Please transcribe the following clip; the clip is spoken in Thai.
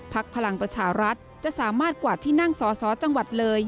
พลังประชารัฐจะสามารถกวาดที่นั่งสอสอจังหวัดเลย